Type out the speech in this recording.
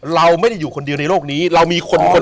เราไม่ได้อยู่คนเดียวในโลกนี้เรามีคนคนหนึ่ง